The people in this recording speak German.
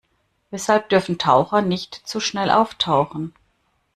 Weshalb dürfen Taucher nicht zu schnell auftauchen?